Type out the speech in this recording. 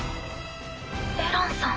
エランさん。